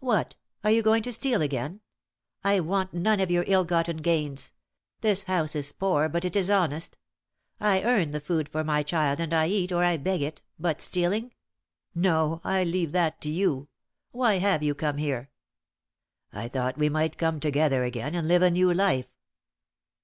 "What! Are you going to steal again? I want none of your ill gotten gains. This house is poor, but it is honest. I earn the food my child and I eat, or I beg it; but stealing? No, I leave that to you. Why have you come here?" "I thought we might come together again and live a new life."